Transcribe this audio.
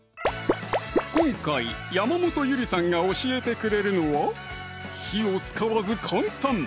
今回山本ゆりさんが教えてくれるのは火を使わず簡単！